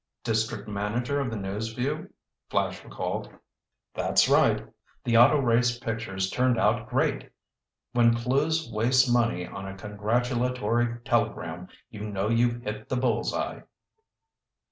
"District manager of the News Vue?" Flash recalled. "That's right. The auto race pictures turned out great. When Clewes wastes money on a congratulatory telegram you know you've hit the bull's eye!"